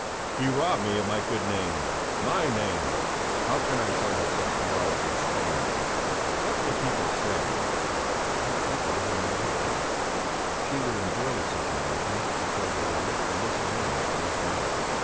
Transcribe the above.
"He's robbed me of my good name! My name! How can I show myself to morrow at the Exchange? What will people say?" By people he meant his wife. She would enjoy the situation because it would make the misalliance less marked.